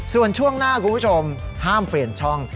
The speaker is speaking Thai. ส่วนช่วงหน้าคุณผู้ชมห้ามเปลี่ยนช่อง